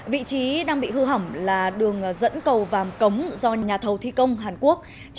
vị trí đang bị hư hỏng là đường dẫn cầu vàm cống do nhà thầu thi công hàn quốc